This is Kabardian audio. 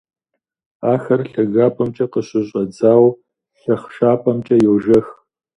Ахэр лъагапӀэмкӀэ къыщыщӀэдзауэ лъахъшапӀэмкӀэ йожэх.